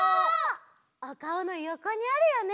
おかおのよこにあるよね。